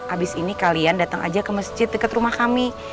abis ini kalian datang aja ke masjid dekat rumah kami